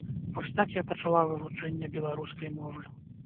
Вось так я пачала вывучэнне беларускай мовы.